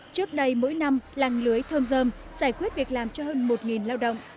trước đây mỗi năm làng lưới thơm dơm giải quyết việc làm cho hơn một lao động